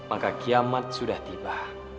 maka kiamat sudah tiba